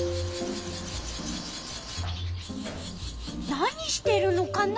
何してるのかな？